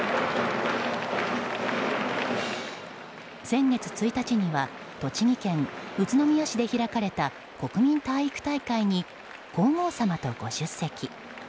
先月１日には栃木県宇都宮市で開かれた国民体育大会に皇后さまとご出席。